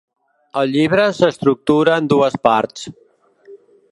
El llibre s’estructura en dues parts.